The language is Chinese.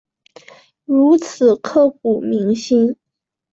如此刻骨铭心